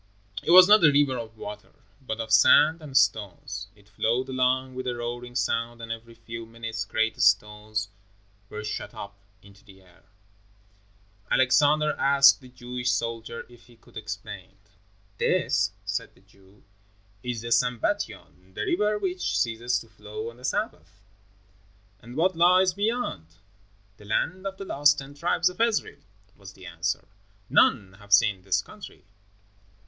It was not a river of water, but of sand and stones. It flowed along with a roaring sound and every few minutes great stones were shot up into the air. Alexander asked the Jewish soldier if he could explain. "This," said the Jew, "is the Sambatyon, the river which ceases to flow on the Sabbath." "And what lies beyond?" "The land of the Lost Ten Tribes of Israel," was the answer. "None have seen this country."